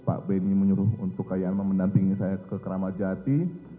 setelah itu pak ben yalin menyuruh untuk kayanma mendampingi saya ke keramajati